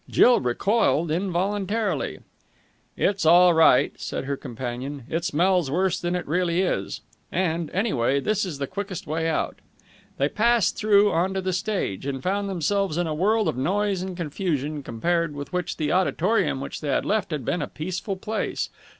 Jill recoiled involuntarily. "It's all right," said her companion. "It smells worse than it really is. And, anyway, this is the quickest way out." They passed through on to the stage, and found themselves in a world of noise and confusion compared with which the auditorium which they had left had been a peaceful place.